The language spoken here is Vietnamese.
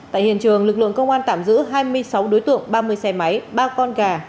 tại hiện trường lực lượng công an tạm giữ hai mươi sáu đối tượng ba mươi xe máy ba con gà